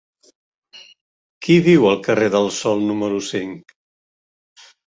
Qui viu al carrer del Sol número cinc?